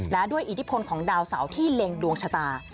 และด้วยอิทธิพลของดาวเสาที่เล็งดวงชะตา